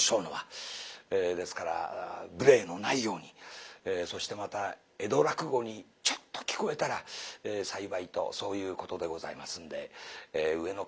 ですから無礼のないようにそしてまた江戸落語にちょっと聞こえたら幸いとそういうことでございますんで上野から浅草が舞台となっております。